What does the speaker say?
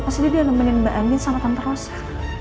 pasti dia nemenin mbak angin sama tante rosa